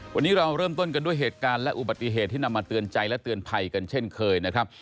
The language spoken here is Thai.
วันนี้เราเริ่มต้นกันด้วยเหตุการณ์และอุบัติเหตุที่นำมาเตือนใจและเตือนภัยกันเช่นเคยนะครับ